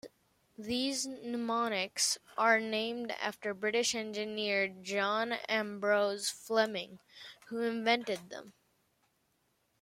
These mnemonics are named after British engineer John Ambrose Fleming, who invented them.